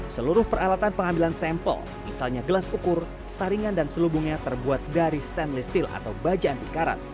seluruh peralatan pengambilan sampel misalnya gelas ukur saringan dan selubungnya terbuat dari stainless steel atau baja anti karat